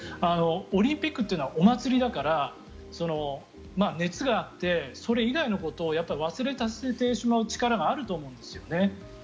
オリンピックっていうのはお祭りだから熱があって、それ以外のことを忘れさせてしまう力があると思うんですよね。